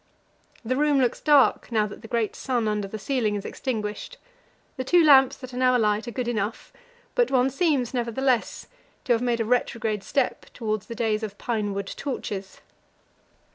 The room looks dark now that the great sun under the ceiling is extinguished; the two lamps that are now alight are good enough, but one seems, nevertheless, to have made a retrograde step towards the days of pine wood torches.